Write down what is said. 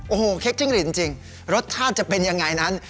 โอ้โหเค้กจิ้งหลีดจริงรสชาติจะเป็นยังไงนั้น